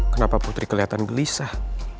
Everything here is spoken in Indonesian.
kenapa putri keliatan gelisah